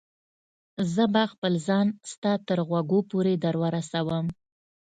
زه به خپل ځان ستا تر غوږو پورې در ورسوم.